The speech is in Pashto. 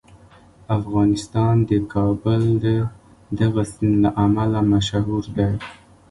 افغانستان د کابل د دغه سیند له امله مشهور دی.